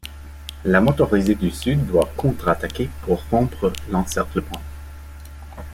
La motorisée du Sud doit contre-attaquer pour rompre l'encerclement.